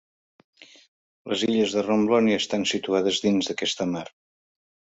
Les illes de Romblon hi estan situades dins d'aquesta mar.